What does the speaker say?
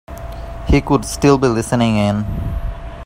He could still be listening in.